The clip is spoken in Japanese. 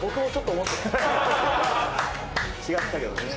違ったけどね。